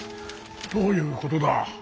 どういうことだ。